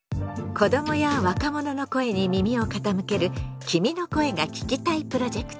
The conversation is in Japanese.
子どもや若者の声に耳を傾ける「君の声が聴きたい」プロジェクト。